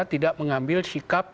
tidak mengambil sikap